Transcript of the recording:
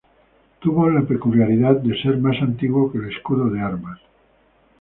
Tuvo la peculiaridad de ser más antiguo que el escudo de armas.